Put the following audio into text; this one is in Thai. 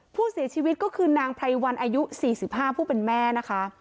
ผู้เสียชีวิตก็คือนางไพรวันอายุ๔๕ผู้เป็นแม่นะคะ